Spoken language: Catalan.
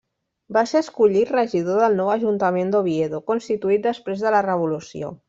Va ser escollit regidor del nou ajuntament d'Oviedo, constituït després de la Revolució.